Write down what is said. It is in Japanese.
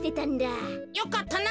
よかったな。